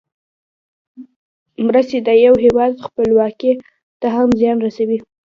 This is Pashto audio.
مرستې د یو هېواد خپلواکۍ ته هم زیان رسوي.